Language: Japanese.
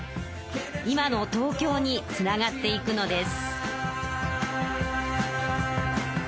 今の東京につながっていくのです。